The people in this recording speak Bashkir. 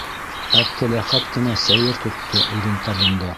Әптеләхәт кенә сәйер тотто үҙен табында.